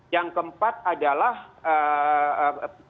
yang keempat adalah tajamannya